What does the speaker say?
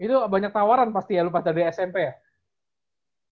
itu banyak tawaran pasti ya lupa dari smp ya